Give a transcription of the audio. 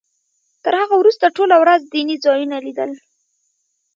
تر هغه وروسته ټوله ورځ دیني ځایونه لیدل.